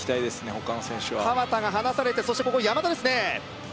他の選手は川田が離されてそしてここ山田ですね